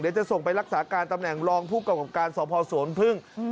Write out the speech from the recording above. เดี๋ยวจะส่งไปรักษาการตำแหน่งรองผู้กำกับการสพสวนพึ่ง